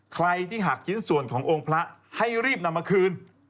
ใครที่หักชิ้นส่วนขององค์พระให้รีบนำมาคืน